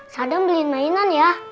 sadam beliin mainan ya